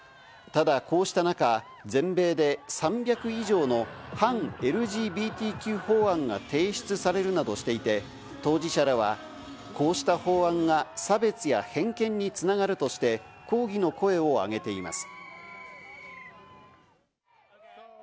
ただこうした中、全米で３００以上の反ＬＧＢＴＱ法案が提出されるなどしていて、当事者らは、こうした法案が差別や偏見に繋がるとして抗議の声を上げています。